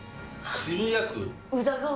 渋谷区。